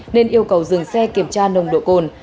nên yêu cầu dừng xe kiểm tra nồng độ cồn